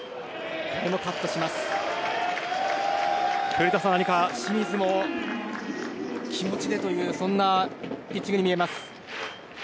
古田さん、何か清水も気持ちでというそんなピッチングに見えます。